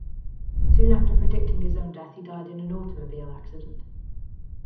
Soon after predicting his own death, he died in an automobile accident.